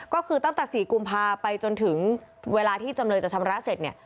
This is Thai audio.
ก็คือตั้งแต่๔กุมภาไปจนถึงเวลาที่จำเลยจะชำระเสร็จเนี่ย